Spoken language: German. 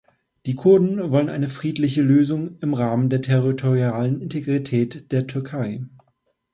Die Kurden wollen eine friedliche Lösung im Rahmen der territorialen Integrität der Türkei.